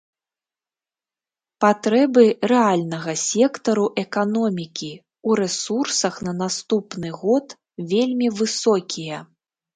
Патрэбы рэальнага сектару эканомікі ў рэсурсах на наступны год вельмі высокія.